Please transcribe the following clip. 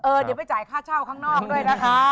เดี๋ยวไปจ่ายค่าเช่าข้างนอกด้วยนะคะ